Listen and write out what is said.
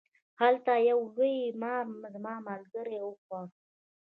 هلته یو لوی مار زما ملګری و خوړ.